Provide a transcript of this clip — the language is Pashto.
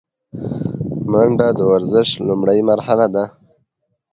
منډه د ورزش لومړۍ مرحله ده